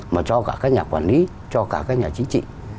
mà cho cả các nhà quản lý cho cả các nhà chính trị